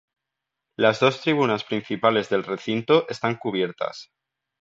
Los dos tribunas principales del recinto están cubiertas.